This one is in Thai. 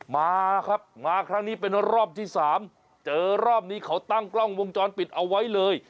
มาครับมาครั้งนี้เป็นรอบที่๓เจอรอบนี้เขาตั้งกล้องวงจรปิดเอาไว้เลย